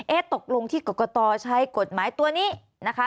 ตกลงที่กรกตใช้กฎหมายตัวนี้นะคะ